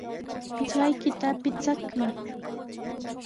Pisqaykita pichakuy.